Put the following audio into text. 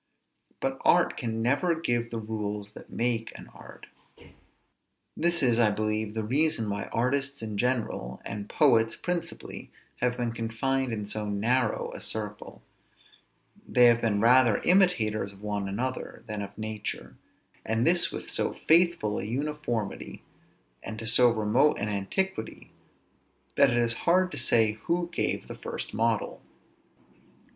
But art can never give the rules that make an art. This is, I believe, the reason why artists in general, and poets, principally, have been confined in so narrow a circle: they have been rather imitators of one another than of nature; and this with so faithful an uniformity, and to so remote an antiquity, that it is hard to say who gave the first model.